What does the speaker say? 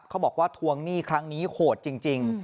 เขาบอกว่าทวงหนี้ครั้งนี้โหดจริง